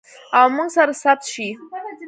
او موږ سره ثبت شي.